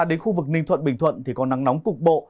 đến khu vực ninh thuận bình thuận thì có nắng nóng cục bộ